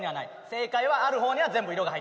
正解はある方には色が入ってる。